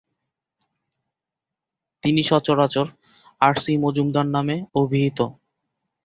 তিনি সচরাচর R, C, মজুমদার নামে অভিহিত।